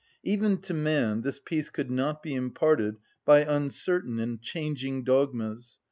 Even to man this peace could not be imparted by uncertain and changing dogmas.